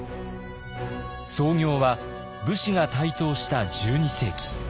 創業は武士が台頭した１２世紀。